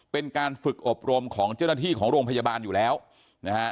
เป็นการฝึกอบรมของเจ้าหน้าที่ของโรงพยาบาลอยู่แล้วนะฮะ